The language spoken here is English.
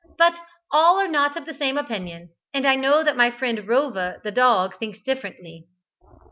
But all are not of the same opinion, and I know that my friend Rover the dog thinks differently."